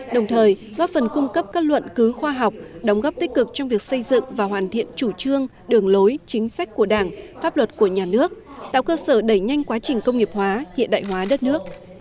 đồng thời góp phần cung cấp các luận cứu khoa học đóng góp tích cực trong việc xây dựng và hoàn thiện chủ trương đường lối chính sách của đảng pháp luật của nhà nước tạo cơ sở đẩy nhanh quá trình công nghiệp hóa hiện đại hóa đất nước